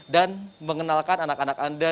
dan mengenalkan anak anak anda